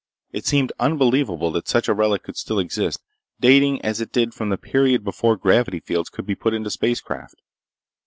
It seemed unbelievable that such a relic could still exist, dating as it did from the period before gravity fields could be put into spacecraft.